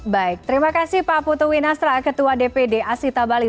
baik terima kasih pak putu winastra ketua dpd asita bali